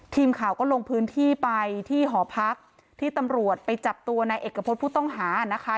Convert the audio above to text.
ทีมข่าวก็ลงพื้นที่ไปที่หอพักที่ตำรวจไปจับตัวนายเอกพฤษผู้ต้องหานะคะ